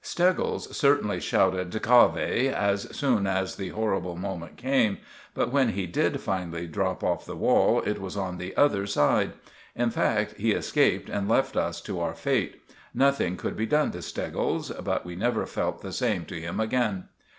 Steggles certainly shouted "Cave!" as soon as the horrible moment came; but when he did finally drop off the wall, it was on the other side. In fact, he escaped and left us to our fate. Nothing could be done to Steggles, but we never felt the same to him again.